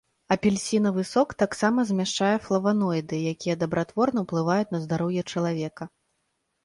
Апельсінавы сок таксама змяшчае флаваноіды, якія дабратворна ўплываюць на здароўе чалавека.